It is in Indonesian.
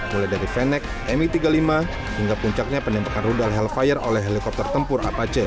mulai dari fennec mi tiga puluh lima hingga puncaknya penembakan rudal helphire oleh helikopter tempur apache